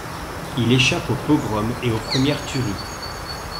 Il échappe aux pogroms et aux premières tueries.